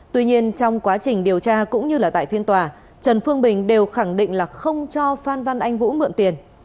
tuy nhiên trong quá trình điều tra cũng như là tại phiên tòa trần phương bình đều khẳng định là không cho phan văn anh vũ mượn tiền